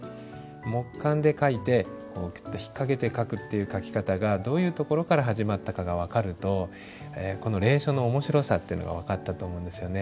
木簡で書いてクッと引っ掛けて書くっていう書き方がどういうところから始まったかが分かると隷書の面白さっていうのが分かったと思うんですよね。